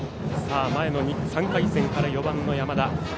前の３回戦から４番の山田。